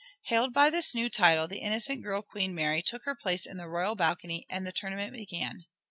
Hailed by this new title the innocent girl queen Mary took her place in the royal balcony and the tournament began.